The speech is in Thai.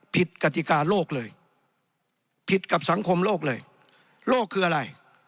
กติกาโลกเลยผิดกับสังคมโลกเลยโลกคืออะไร